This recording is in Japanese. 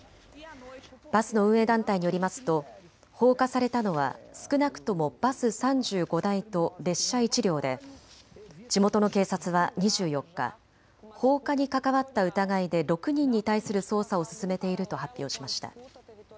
バスの運営団体によりますと放火されたのは少なくともバス３５台と列車１両で地元の警察は２４日、放火に関わった疑いで６人に対する捜査を進めていると発表しました。